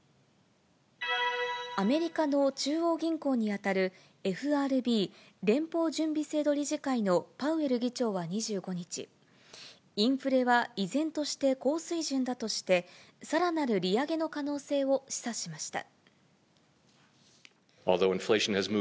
アメリカの中央銀行に当たるＦＲＢ・連邦準備制度理事会のパウエル議長は２５日、インフレは依然として高水準だとして、さらなる利上げの可能性を示唆しました。